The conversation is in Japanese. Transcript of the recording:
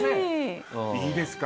いいですか？